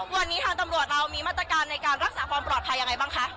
วันนี้ทางตำรวจเรามีมาตรการในการรักษาความปลอดภัยยังไงบ้างคะ